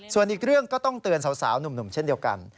ส่วนอีกเรื่องก็ต้องเตือนสาวหนุ่มเช่นเดียวกัน